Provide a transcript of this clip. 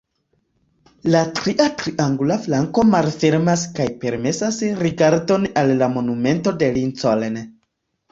La tria triangula flanko malfermas kaj permesas rigardon al la Monumento de Lincoln.